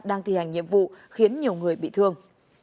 đang thi hành nhiệm vụ khiến nhiều người bị thương